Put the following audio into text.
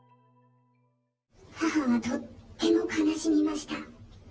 母はとっても悲しみました。